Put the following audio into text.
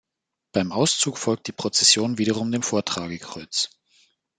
Beim Auszug folgt die Prozession wiederum dem Vortragekreuz.